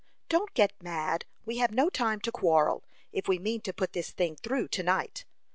"Don't get mad; we have no time to quarrel, if we mean to put this thing through to night."